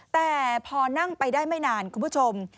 แต่พอนั่งไปได้ไม่นานคุณผู้ชม